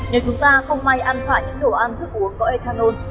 nếu chúng ta không may ăn phải những đồ ăn thức uống có ethanol